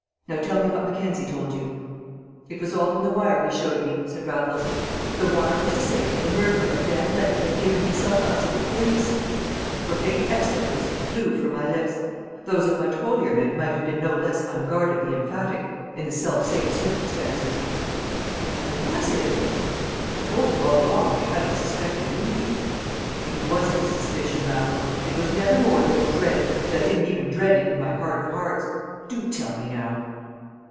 Now tell me what Mackenzie told you." "It was all in the wire he showed me," said Raffles. "The wire was to say that the murderer of Dan Levy had given himself up to the police!" Profane expletives flew from my lips; those of much holier men might have been no less unguardedly emphatic in the self same circumstances. "But who was it?" "I could have told you all along if you hadn't suspected me." "It wasn't a suspicion, Raffles. It was never more than a dread, and I didn't even dread it in my heart of hearts. Do tell me now."